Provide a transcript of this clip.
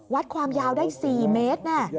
วัดความยาวได้๔เมตรแน่